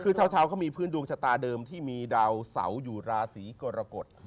คือเฉินแชนก็มีพื้นดวงชะตาเดิมที่มีดาวเสาอยู่ราสีกฎรกฎ